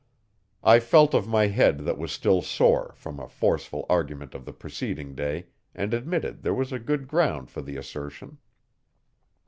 I felt of my head that was still sore, from a forceful argument of the preceding day, and admitted there was good ground for the assertion.